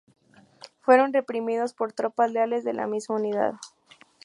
Fueron reprimidos por tropas leales de la misma unidad.